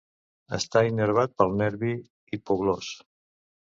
Està innervat pel nervi hipoglòs.